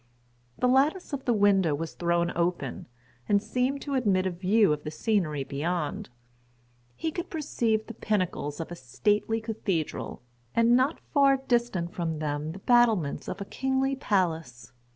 The lattice of the window was thrown open, and seemed to admit a view of the scenery beyond; he could perceive the pinnacles of a stately cathedral, and not far distant from them the battlements of a kingly palace.